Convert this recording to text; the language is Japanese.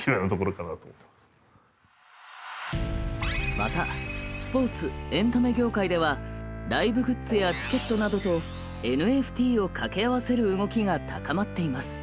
またスポーツ・エンタメ業界ではＬｉｖｅグッズやチケットなどとＮＦＴを掛け合わせる動きが高まっています。